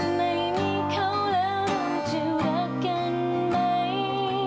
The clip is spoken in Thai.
ไม่มีเขาแล้วจะรักกันไหม